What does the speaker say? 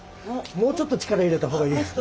もうちょっと力入れた方がいいです。